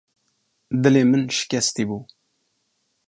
Dilê min şikestî bû.